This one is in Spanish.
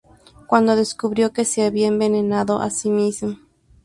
Cuando descubrió que se había envenenado a sí mismo.